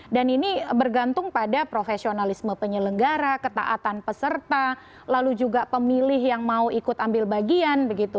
dan ini bergantung pada profesionalisme penyelenggara ketaatan peserta lalu juga pemilih yang mau ikut ambil bagian